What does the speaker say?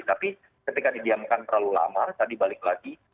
tapi ketika didiamkan terlalu lama tadi balik lagi